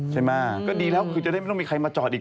ใช่ไหมก็ดีแล้วคือจะได้ไม่ต้องมีใครมาจอดอีก